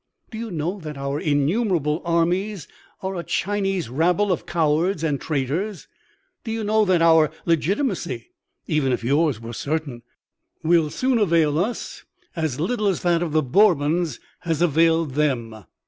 Do you know that our innumerable armies are a Chinese rabble of cowards and traitors? Do you know that our legitimacy (even if yours were certain) will soon avail us as little as that of the Bourbons has availed them?